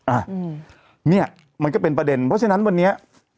อ่ะเนี่ยมันก็เป็นประเด็นเพราะฉะนั้นวันนี้